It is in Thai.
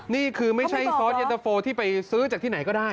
นี่คือไม่ใช่ซอสเย็นตะโฟที่ไปซื้อจากที่ไหนก็ได้